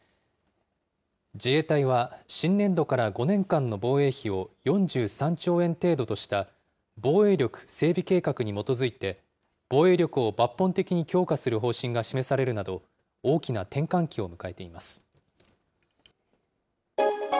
自衛隊は新年度から５年間の防衛費を４３兆円程度とした防衛力整備計画に基づいて、防衛力を抜本的に強化する方針が示されるなど、大きな転換期を迎えています。